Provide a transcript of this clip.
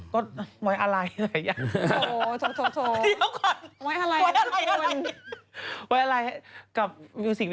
ก็ไว้อะไรอะไรอย่างนั้น